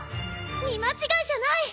見間違いじゃない！